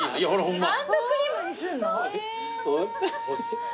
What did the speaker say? ハンドクリームにすんの？